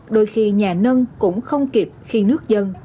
đôi khi nhà nâng cũng không kịp khi nước dân